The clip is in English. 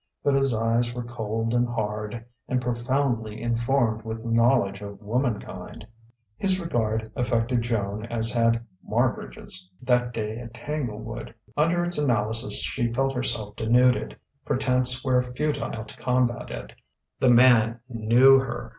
But his eyes were cold and hard and profoundly informed with knowledge of womankind. His regard affected Joan as had Marbridge's, that day at Tanglewood; under its analysis she felt herself denuded; pretence were futile to combat it: the man knew her.